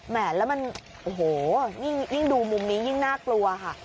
แล้วมันโอ้โหยิ่งดูมุมนี้ยิ่งน่ากลัวค่ะ